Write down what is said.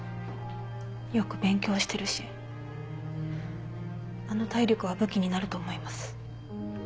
よく勉強してるしあの体力は武器になると思います。